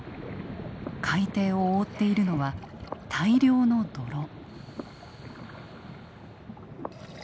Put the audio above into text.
海底を覆っているのは大量の泥。